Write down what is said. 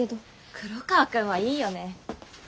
黒川くんはいいよね。